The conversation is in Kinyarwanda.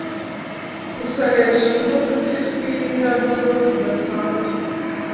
gusa hejuru nuduti twindabyo zidasanzwe